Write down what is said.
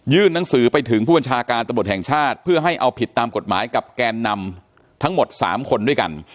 หนังสือไปถึงผู้บัญชาการตำรวจแห่งชาติเพื่อให้เอาผิดตามกฎหมายกับแกนนำทั้งหมด๓คนด้วยกัน